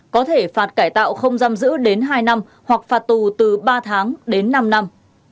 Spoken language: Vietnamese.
có thể phạt cải tạo không giam giữ đến hai năm hoặc phạt tù từ ba tháng đến năm năm